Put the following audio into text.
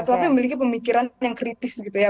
tapi memiliki pemikiran yang kritis gitu ya